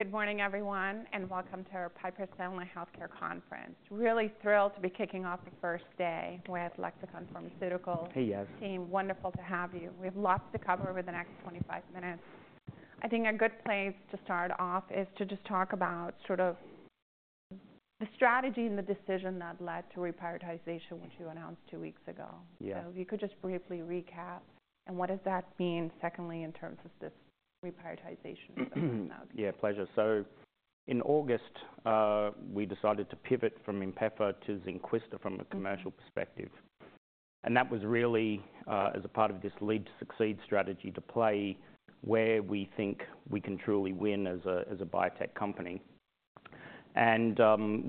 Good morning, everyone, and welcome to our Piper Sandler Healthcare Conference. Really thrilled to be kicking off the first day with Lexicon Pharmaceuticals. Hey, yes. Team. Wonderful to have you. We have lots to cover over the next 25 minutes. I think a good place to start off is to just talk about sort of the strategy and the decision that led to reprioritization, which you announced two weeks ago. Yeah. So if you could just briefly recap, and what does that mean, secondly, in terms of this reprioritization that's now taking place? Yeah, pleasure. So in August, we decided to pivot from Inpefa to Zynquista from a commercial perspective. And that was really, as a part of this Lead-to-Succeed strategy, to play where we think we can truly win as a biotech company. And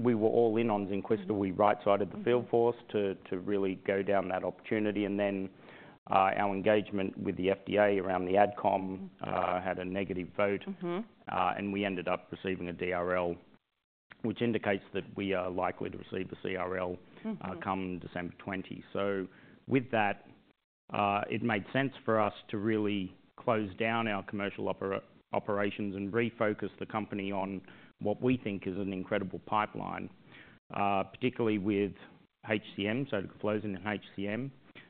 we were all in on Zynquista. We right-sized the field for us to really go down that opportunity. And then our engagement with the FDA around the AdCom had a negative vote. And we ended up receiving a DRL, which indicates that we are likely to receive a CRL, come December 20th. So with that, it made sense for us to really close down our commercial operations and refocus the company on what we think is an incredible pipeline, particularly with HCM, sotagliflozin in HCM,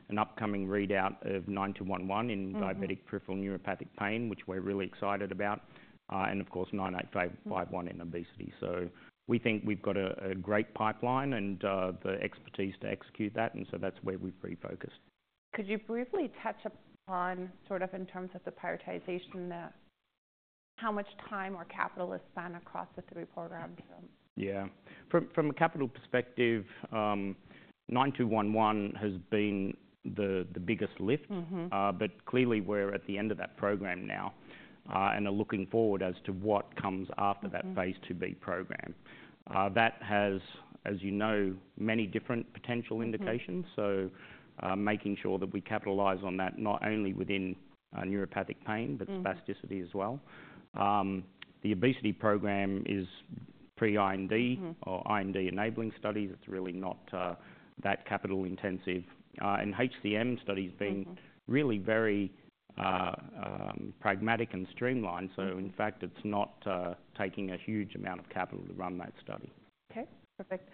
an upcoming readout of 9211 in diabetic peripheral neuropathic pain, which we're really excited about, and of course 9851 in obesity, so we think we've got a great pipeline and the expertise to execute that, and so that's where we've refocused. Could you briefly touch upon sort of in terms of the prioritization that how much time or capital is spent across the three programs? Yeah. From a capital perspective, 9211 has been the biggest lift. But clearly we're at the end of that program now, and are looking forward as to what comes after that Phase IIb program. That has, as you know, many different potential indications. So, making sure that we capitalize on that not only within neuropathic pain, but spasticity as well. The obesity program is pre-IND or IND enabling studies, it's really not that capital-intensive. And HCM studies being really very pragmatic and streamlined. So in fact, it's not taking a huge amount of capital to run that study. Okay. Perfect.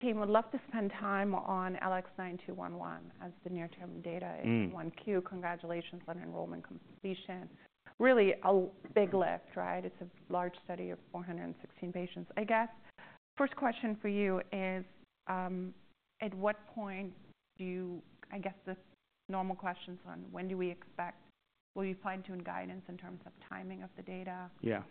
The team would love to spend time on LX9211 as the near-term data in 1Q. Congratulations on enrollment completion. Really a big lift, right? It's a large study of 416 patients. I guess first question for you is, at what point do you I guess the normal questions on when do we expect will you fine-tune guidance in terms of timing of the data? Yeah.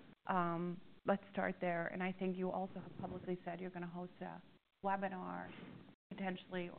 Let's start there. And I think you also have publicly said you're gonna host a webinar potentially,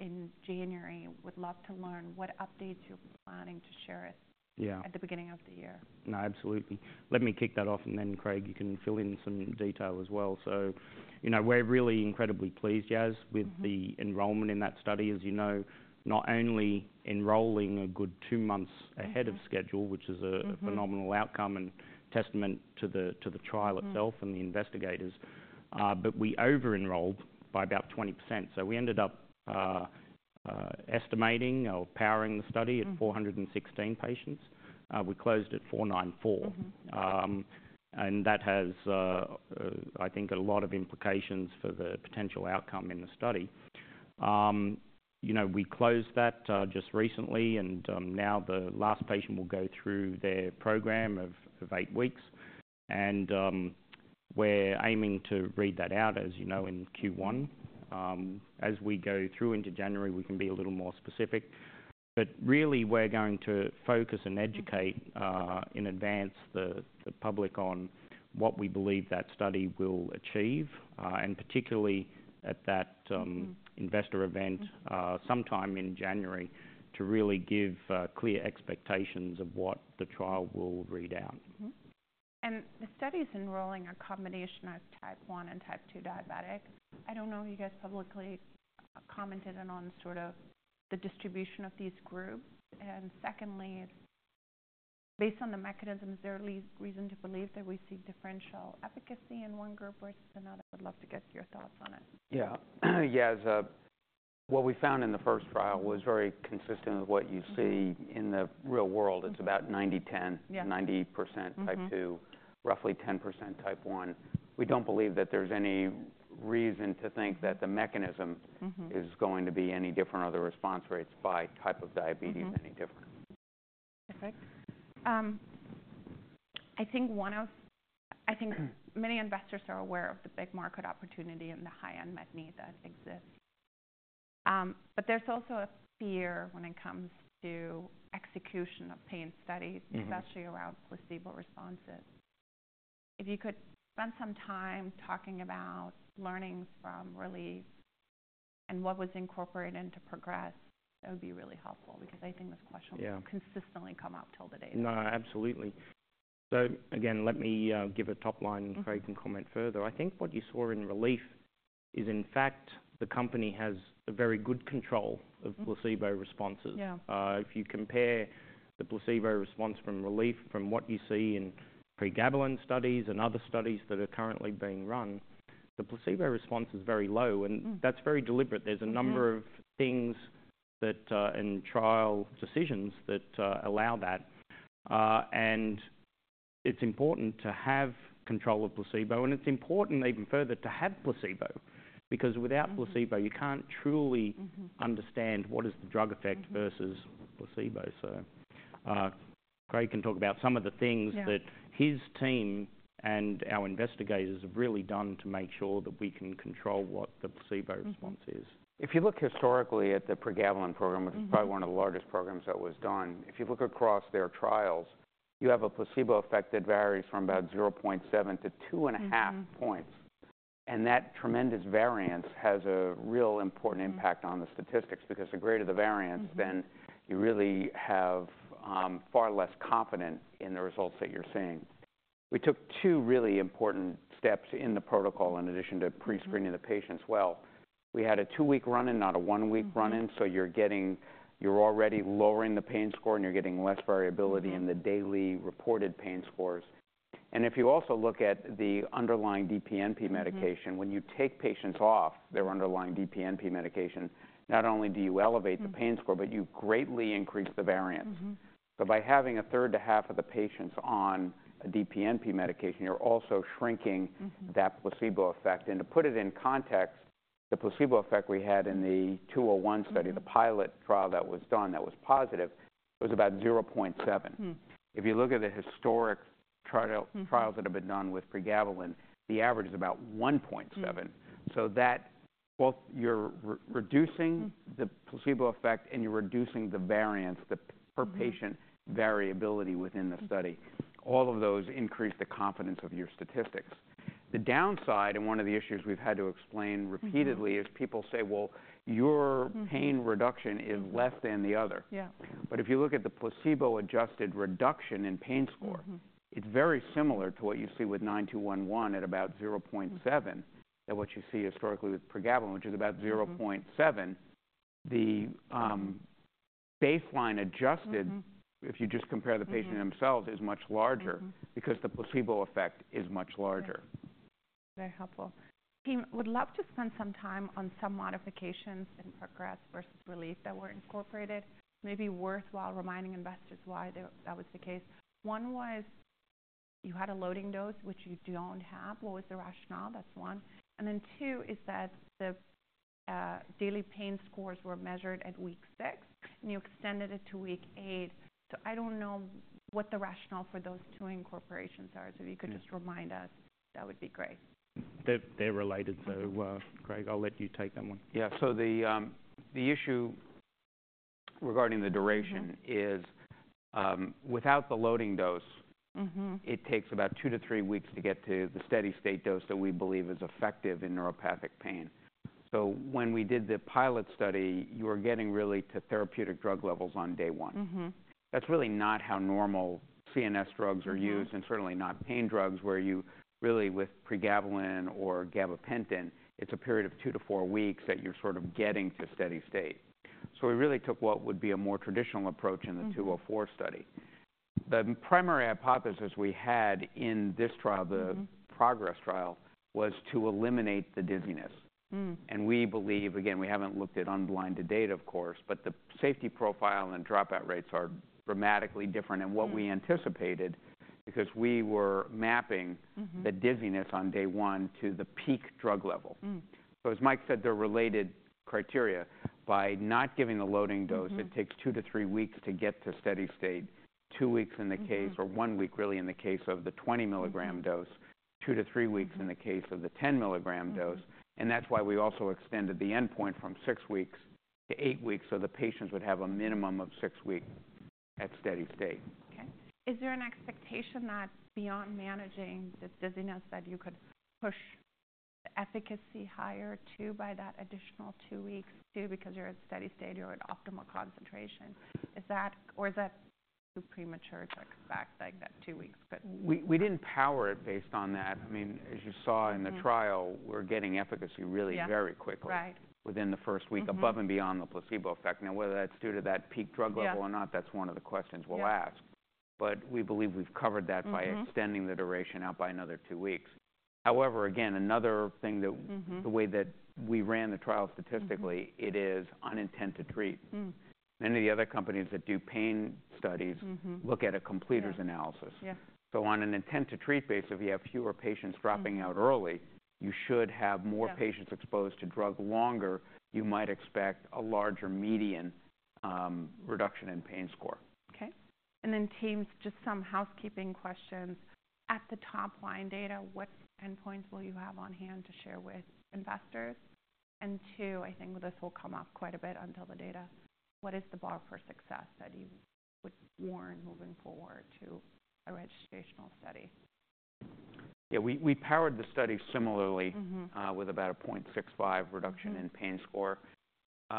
in January. Would love to learn what updates you're planning to share it. Yeah. At the beginning of the year. No, absolutely. Let me kick that off. And then, Craig, you can fill in some detail as well. So, you know, we're really incredibly pleased, Yas, with the enrollment in that study. As you know, not only enrolling a good two months ahead of schedule, which is a phenomenal outcome and testament to the trial itself and the investigators, but we over-enrolled by about 20%. So we ended up estimating or powering the study at 416 patients. We closed at 494. And that has, I think, a lot of implications for the potential outcome in the study. You know, we closed that just recently. And now the last patient will go through their program of eight weeks. And we're aiming to read that out, as you know, in Q1. As we go through into January, we can be a little more specific. But really, we're going to focus and educate, in advance, the public on what we believe that study will achieve, and particularly at that investor event, sometime in January, to really give clear expectations of what the trial will read out. And the study's enrolling a combination of Type 1 and Type 2 diabetics. I don't know if you guys publicly commented on sort of the distribution of these groups. And secondly, based on the mechanisms, is there any reason to believe that we see differential efficacy in one group versus another? Would love to get your thoughts on it. Yeah. Yeah. So, what we found in the first trial was very consistent with what you see in the real world. It's about 90%/10%. Yeah. 90% Type 2, roughly 10% Type 1. We don't believe that there's any reason to think that the mechanism is going to be any different or the response rates by type of diabetes any different? Perfect. I think many investors are aware of the big market opportunity and the high unmet med need that exists. But there's also a fear when it comes to execution of pain studies, especially around placebo responses. If you could spend some time talking about learnings from RELIEF and what was incorporated into PROGRESS, that would be really helpful because I think this question will consistently come up till the day. No, absolutely. So again, let me, give a top line and Craig can comment further. I think what you saw in RELIEF is, in fact, the company has a very good control of placebo responses. Yeah. If you compare the placebo response from RELIEF from what you see in pregabalin studies and other studies that are currently being run, the placebo response is very low, and that's very deliberate. There's a number of things that in trial decisions allow that, and it's important to have control of placebo. It's important even further to have placebo because without placebo, you can't truly understand what is the drug effect versus placebo, so Craig can talk about some of the things that his team and our investigators have really done to make sure that we can control what the placebo response is. If you look historically at the pregabalin program, which is probably one of the largest programs that was done, if you look across their trials, you have a placebo effect that varies from about 0.7-2.5 points, and that tremendous variance has a real important impact on the statistics because the greater the variance, then you really have far less confidence in the results that you're seeing. We took two really important steps in the protocol in addition to prescreening the patients. Well, we had a two-week run-in and not a one-week run-in. So you're already lowering the pain score and you're getting less variability in the daily reported pain scores. If you also look at the underlying DPNP medication, when you take patients off their underlying DPNP medication, not only do you elevate the pain score, but you greatly increase the variance. So by having a third to half of the patients on a DPNP medication, you're also shrinking. That placebo effect and to put it in context, the placebo effect we had in the RELIEF study, the pilot trial that was done that was positive, it was about 0.7. If you look at the historic trials that have been done with pregabalin, the average is about 1.7. So that both you're re-reducing. The placebo effect and you're reducing the variance, the per patient variability within the study. All of those increase the confidence of your statistics. The downside and one of the issues we've had to explain repeatedly is people say, "Well, your pain reduction is less than the other. Yeah. But if you look at the placebo-adjusted reduction in pain score. It's very similar to what you see with 9211 at about 0.7 than what you see historically with pregabalin, which is about 0.7. The baseline adjusted, if you just compare the patient themselves, is much larger because the placebo effect is much larger. Very helpful. Team, would love to spend some time on some modifications in PROGRESS versus RELIEF that were incorporated. Maybe worthwhile reminding investors why that was the case. One was you had a loading dose, which you don't have. What was the rationale? That's one. And then two is that the daily pain scores were measured at week six, and you extended it to week eight. So I don't know what the rationale for those two incorporations are. So if you could just remind us, that would be great. They're related. So, Craig, I'll let you take that one. Yeah. So the issue regarding the duration is without the loading dose. It takes about two to three weeks to get to the steady-state dose that we believe is effective in neuropathic pain, so when we did the pilot study, you were getting really to therapeutic drug levels on day one. That's really not how normal CNS drugs are used. Certainly not pain drugs where you really with pregabalin or gabapentin, it's a period of two-to-four weeks that you're sort of getting to steady-state. We really took what would be a more traditional approach in the 204 study. The primary hypothesis we had in this trial, the progress trial was to eliminate the dizziness. We believe again, we haven't looked at unblinded data, of course, but the safety profile and dropout rates are dramatically different than what we anticipated because we were mapping. The dizziness on day one to the peak drug level. As Mike said, there are related criteria. By not giving the loading dose, it takes two to three weeks to get to steady-state. Two weeks in the case. Or one week really in the case of the 20-mg dose, two to three weeks in the case of the 10-mg dose, and that's why we also extended the endpoint from six weeks to eight weeks so the patients would have a minimum of six weeks at steady-state. Okay. Is there an expectation that beyond managing the dizziness, that you could push the efficacy higher too by that additional two weeks too because you're at steady-state or at optimal concentration? Is that or is that too premature to expect like that two weeks could? We didn't power it based on that. I mean, as you saw in the trial, we're getting efficacy really very quickly. Yeah. Right. Within the first week above and beyond the placebo effect. Now, whether that's due to that peak drug level or not, that's one of the questions we'll ask. But we believe we've covered that by extending the duration out by another two weeks. However, again, another thing that. The way that we ran the trial statistically, it is intent-to-treat. Many of the other companies that do pain studies look at a completers analysis. On an intent-to-treat basis, if you have fewer patients dropping out early, you should have more patients exposed to drug longer. You might expect a larger median reduction in pain score. Okay. And then teams, just some housekeeping questions. At the top line data, what endpoints will you have on hand to share with investors? And two, I think this will come up quite a bit until the data. What is the bar for success that you would want moving forward to a registrational study? Yeah. We powered the study similarly with about a 0.65 reduction in pain score.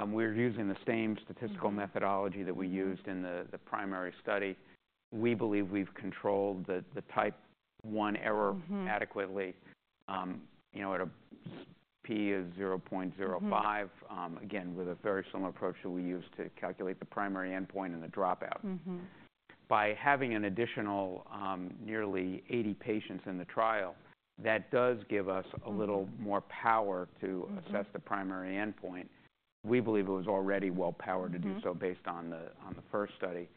We're using the same statistical methodology that we used in the primary study. We believe we've controlled the Type 1 error. Adequately, you know, at a p of 0.05, again, with a very similar approach that we used to calculate the primary endpoint and the dropout. By having an additional, nearly 80 patients in the trial, that does give us a little more power to assess the primary endpoint. We believe it was already well-powered to do so based on the first study.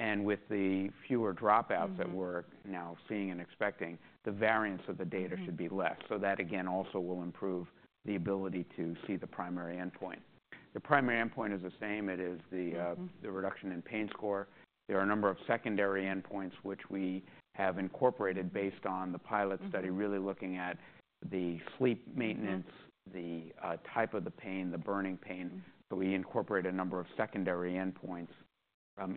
And with the fewer dropouts that we're now seeing and expecting, the variance of the data should be less. So that, again, also will improve the ability to see the primary endpoint. The primary endpoint is the same. It is the reduction in pain score. There are a number of secondary endpoints, which we have incorporated based on the pilot study, really looking at the sleep maintenance, the type of the pain, the burning pain. We incorporate a number of secondary endpoints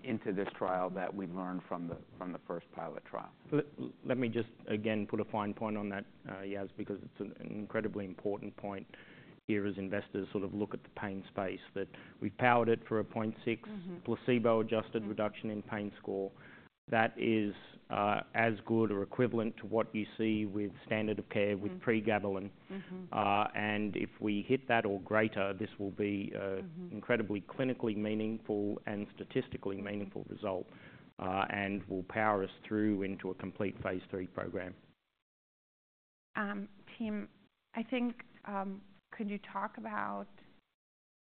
into this trial that we've learned from the first pilot trial. Let me just again put a fine point on that, Yas, because it's an incredibly important point here as investors sort of look at the pain space that we've powered it for a 0.6 Placebo-adjusted reduction in pain score. That is, as good or equivalent to what you see with standard of care with pregabalin and if we hit that or greater, this will be incredibly clinically meaningful and statistically meaningful result, and will power us through into a complete Phase III program. Team, I think, could you talk about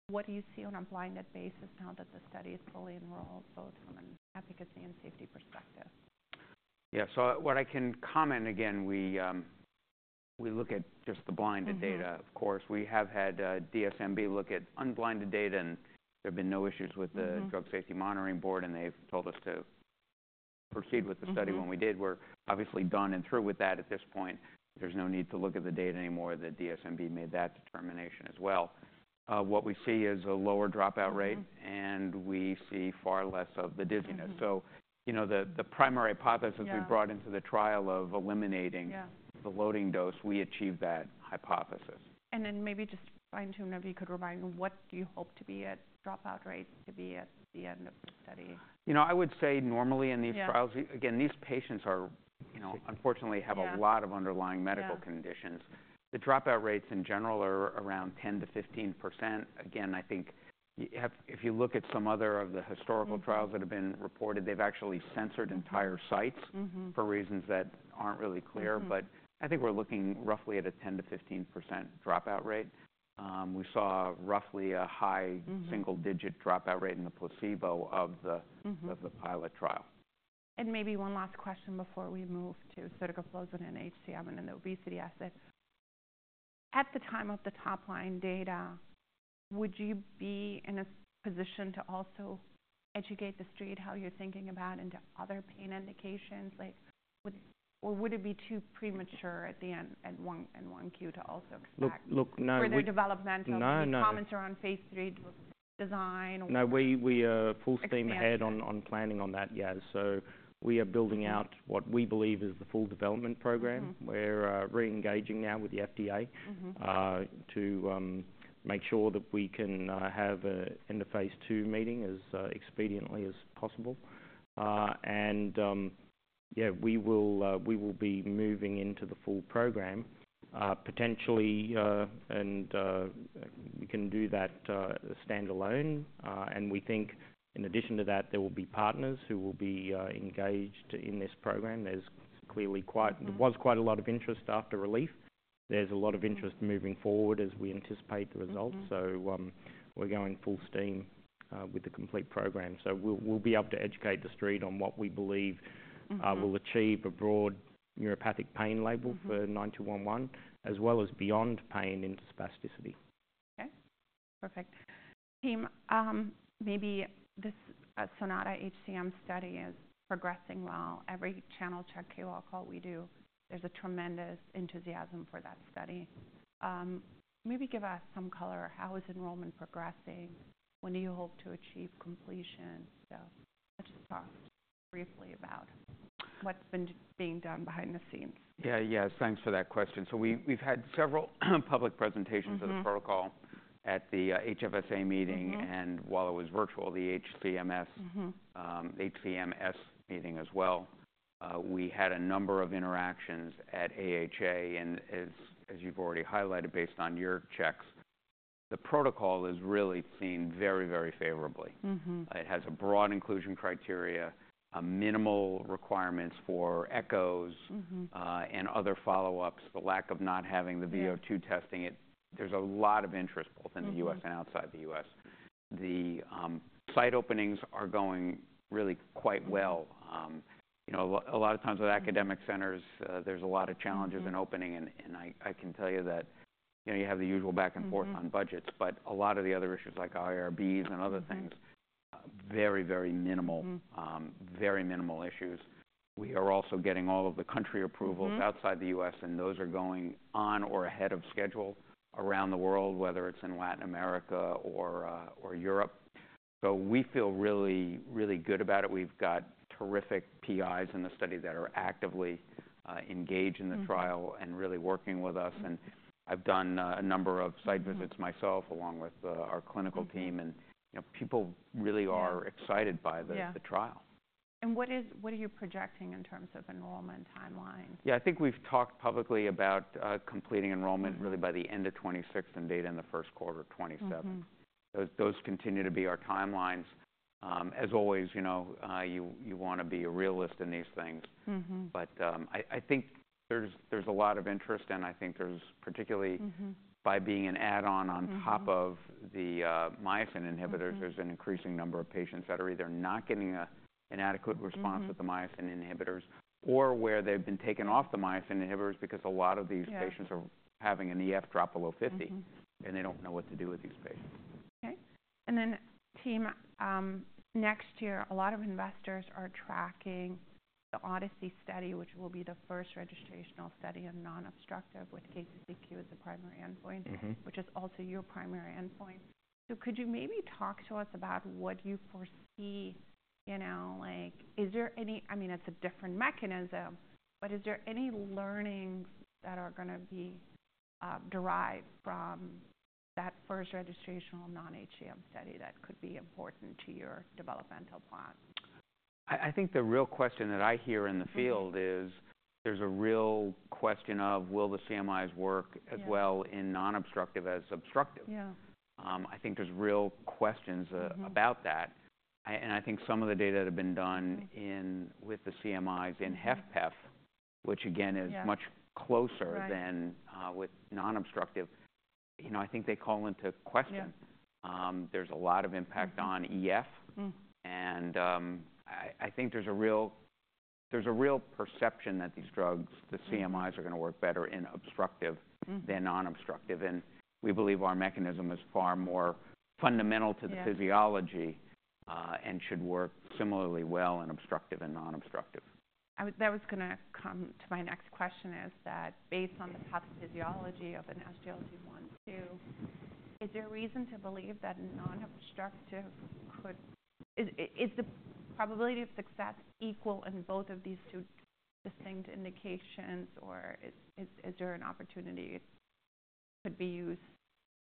what do you see on a blinded basis now that the study is fully enrolled, both from an efficacy and safety perspective? Yeah, so what I can comment again, we look at just the blinded data. Of course. We have had DSMB look at unblinded data, and there have been no issues with the Data Safety Monitoring Board, and they've told us to proceed with the study when we did. We're obviously done and through with that at this point. There's no need to look at the data anymore. The DSMB made that determination as well. What we see is a lower dropout rate. We see far less of the dizziness. You know, the primary hypothesis. We brought into the trial of eliminating. Yeah. The loading dose, we achieved that hypothesis. And then maybe just fine-tune if you could remind me, what do you hope the dropout rate to be at the end of the study? You know, I would say normally in these trials. Yeah. Again, these patients are, you know, unfortunately, have a lot of underlying medical conditions. The dropout rates in general are around 10%-15%. Again, I think you have if you look at some other of the historical trials that have been reported, they've actually censored entire sites for reasons that aren't really clear. But I think we're looking roughly at a 10%-15% dropout rate. We saw roughly a high single-digit dropout rate in the placebo of the pilot trial. Maybe one last question before we move to sotagliflozin in HCM and then the obesity asset. At the time of the top line data, would you be in a position to also educate the street how you're thinking about into other pain indications? Like, would it be too premature at the end of 1Q to also expect? Look, look, no, no. Early developmental. No, no, no. Any comments around Phase III design or? No, we are full steam ahead. On planning on that, Yas, so we are building out what we believe is the full development program. We're re-engaging now with the FDA. To make sure that we can have an end-of-Phase II meeting as expediently as possible. Yeah, we will be moving into the full program, potentially, and we can do that standalone. We think in addition to that, there will be partners who will be engaged in this program. There's clearly quite a lot of interest after RELIEF. There's a lot of interest moving forward as we anticipate the results. We're going full steam, with the complete program. We'll be able to educate the street on what we believe will achieve a broad neuropathic pain label for LX9211, as well as beyond pain into spasticity. Okay. Perfect. Team, maybe this SONATA-HCM study is PROGRESSing well. Every channel check QR call we do, there's a tremendous enthusiasm for that study. Maybe give us some color on how is enrollment PROGRESSing? When do you hope to achieve completion? Let's just talk briefly about what's been done behind the scenes. Yeah. Yas, thanks for that question. So we've had several public presentations of the protocol at the HFSA meeting. While it was virtual, the HCMS meeting as well. We had a number of interactions at AHA, and as. As you've already highlighted based on your checks, the protocol is really seen very, very favorably. It has broad inclusion criteria, minimal requirements for echoes and other follow-ups, the lack of not having the VO2 testing. There's a lot of interest both in the U.S. outside the U.S. The site openings are going really quite well. You know, a lot of times with academic centers, there's a lot of challenges in opening, and I can tell you that, you know, you have the usual back and forth on budgets. But a lot of the other issues like IRBs and other things, very minimal. Very minimal issues. We are also getting all of the country approvals outside the U.S., and those are going on or ahead of schedule around the world, whether it's in Latin America or Europe. So we feel really, really good about it. We've got terrific PIs in the study that are actively engaged in the trial. And really working with us. And I've done a number of site visits myself along with our clinical team. You know, people really are excited by the trial. What are you projecting in terms of enrollment timelines? Yeah. I think we've talked publicly about completing enrollment really by the end of 2026 and data in the first quarter of 2027. Those continue to be our timelines. As always, you know, you wanna be a realist in these things. But, I think there's a lot of interest, and I think there's particularly by being an add-on on top of the myosin inhibitors, there's an increasing number of patients that are either not getting an adequate response with the myosin inhibitors or where they've been taken off the myosin inhibitors because a lot of these patients. Are having an EF drop below 50. They don't know what to do with these patients. Okay, and then, team, next year, a lot of investors are tracking the ODYSSEY study, which will be the first registrational study on non-obstructive with KCCQ as the primary endpoint. Which is also your primary endpoint. So could you maybe talk to us about what you foresee? You know, like, is there any? I mean, it's a different mechanism, but is there any learnings that are gonna be derived from that first registrational non-HCM study that could be important to your developmental plan? I think the real question that I hear in the field is there's a real question of will the CMIs work as well in non-obstructive as obstructive? I think there's real questions about that, and I think some of the data that have been done in with the CMIs in HFpEF, which again is much closer than with non-obstructive. You know, I think they call into question. Yeah. There's a lot of impact on EF. I think there's a real perception that these drugs, the CMIs, are gonna work better in obstructive than non-obstructive, and we believe our mechanism is far more fundamental to the physiology and should work similarly well in obstructive and non-obstructive. That was gonna come to my next question. Is that based on the pathophysiology of an SGLT1/2? Is there a reason to believe that non-obstructive could? Is it the probability of success equal in both of these two distinct indications, or is there an opportunity it could be used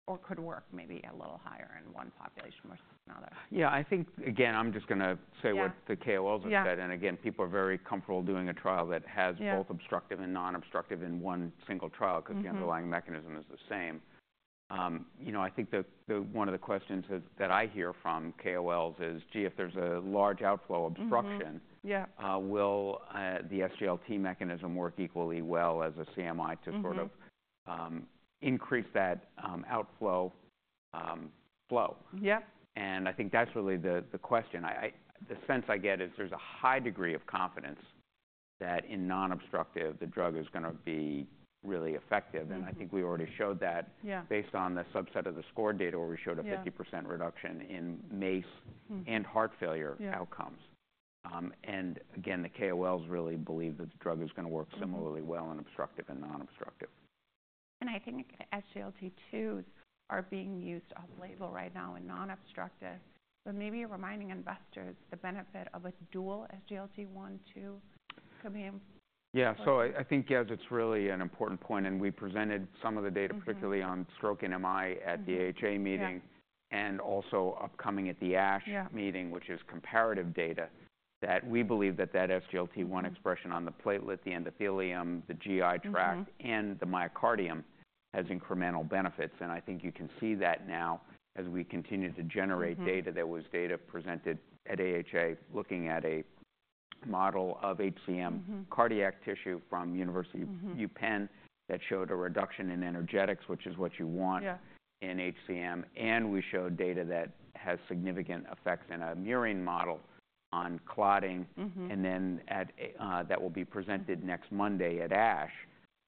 or could work maybe a little higher in one population versus another? Yeah. I think, again, I'm just gonna say what the KOLs have said. And again, people are very comfortable doing a trial that has both obstructive and non-obstructive in one single trial. Because the underlying mechanism is the same. You know, I think the one of the questions that I hear from KOLs is, "Gee, if there's a large outflow obstruction. Will the SGLT mechanism work equally well as a CMI to sort of increase that, outflow, flow? And I think that's really the question. I, the sense I get, is there's a high degree of confidence that in non-obstructive, the drug is gonna be really effective. I think we already showed that Based on the subset of the SCORED data, where we showed a 50% reduction in MACE Heart failure. Outcomes, and again, the KOLs really believe that the drug is gonna work similarly well in obstructive and non-obstructive. I think SGLT2s are being used off-label right now in non-obstructive. Maybe reminding investors, the benefit of a dual SGLT1/2 could be im. Yeah, so I think, Yas, it's really an important point and we presented some of the data. Particularly on stroke and MI at the AHA meeting. Also upcoming at the ASH meeting, which is comparative data that we believe that SGLT1 expression on the platelet, the endothelium, the GI tract. And the myocardium has incremental benefits. And I think you can see that now as we continue to generate data. There was data presented at AHA looking at a model of HCM. Cardiac tissue from University of Penn. That showed a reduction in energetics, which is what you want. Yeah.In HCM and we showed data that has significant effects in a murine model on clotting. Data that will be presented next Monday at ASH,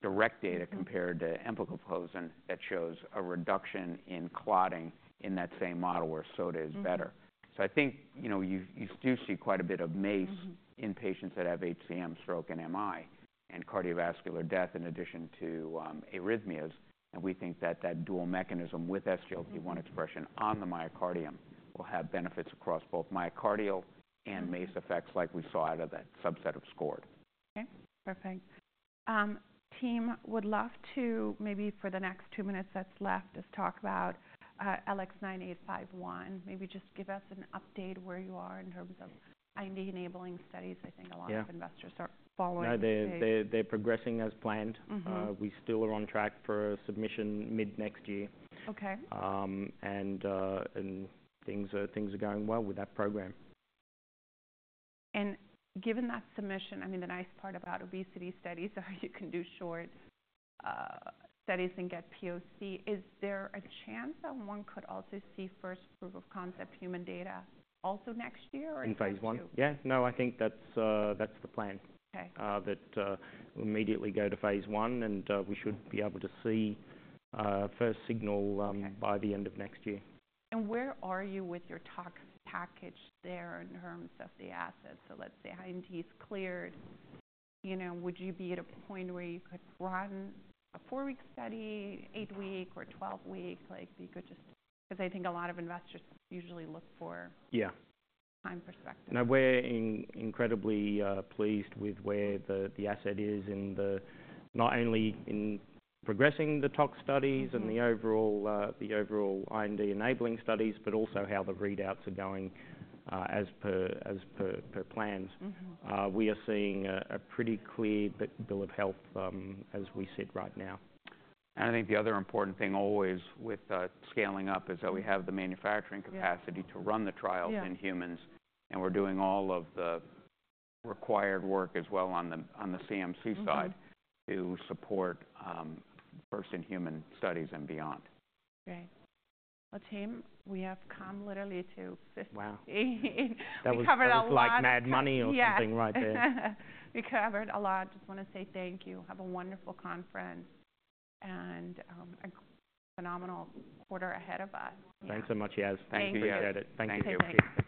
direct data compared to empagliflozin that shows a reduction in clotting in that same model where sotagliflozin is better. I think, you know, you do see quite a bit of MACE. In patients that have HCM, stroke, and MI, and cardiovascular death in addition to arrhythmias, and we think that that dual mechanism with SGLT1 expression on the myocardium will have benefits across both myocardial and MACE effects like we saw out of that subset of SCORED. Okay. Perfect. Team, would love to maybe for the next two minutes that's left just talk about LX9851. Maybe just give us an update where you are in terms of IND enabling studies. I think a lot of investors are following. Yeah. They're PROGRESSing as planned. We still are on track for a submission mid next year. Okay. Things are going well with that program. And given that submission, I mean, the nice part about obesity studies, so you can do short studies and get POC, is there a chance that one could also see first proof of concept human data also next year or next year? In Phase I? Yeah. No, I think that's, that's the plan. Okay. that we'll immediately go to Phase I, and we should be able to see first signal. Okay. By the end of next year. Where are you with your tox package there in terms of the assets? Let's say IND is cleared. You know, would you be at a point where you could run a four-week study, eight-week, or 12-week? Like, you could just 'cause I think a lot of investors usually look for time perspective. Now, we're incredibly pleased with where the asset is in the not only in PROGRESSing the tox studies. The overall IND enabling studies, but also how the readouts are going, as per plans. We are seeing a pretty clear bill of health, as we sit right now. I think the other important thing always with scaling up is that we have the manufacturing capacity to run the trials in humans. And we're doing all of the required work as well on the CMC side to support, first in human studies and beyond. Great, well, team, we have come literally to 50. Wow. We covered a lot. Like mad money or something right there. We covered a lot. Just wanna say thank you. Have a wonderful conference and a phenomenal quarter ahead of us. Thanks so much, Yas. Thank you. Appreciate it. Thank you, Yas. Okay. Thank you.